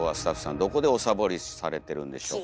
どこでおサボりされてるんでしょうか。